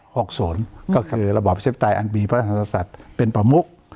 หกศูนย์ก็คือระบบเชฟไตอันตรีพระธรรมสัตว์เป็นประมุก